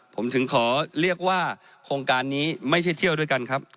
ผมถึงขอเรียกว่าโครงการนี้ไม่ใช่เที่ยวด้วยกันครับ